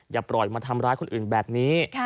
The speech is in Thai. อย่าปล่อยมาทำร้ายคนอื่นแบบนี้